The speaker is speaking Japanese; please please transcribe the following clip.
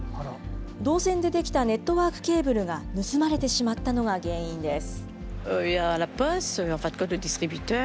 銅線でできたネットワークケーブルが盗まれてしまったのが原因です。